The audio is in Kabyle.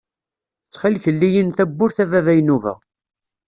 Ttxil-k lli-yi-n tawwurt a baba Inuba.